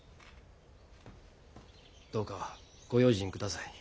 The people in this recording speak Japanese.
どうか御用心ください。